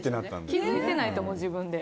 気づいてないと思う、自分で。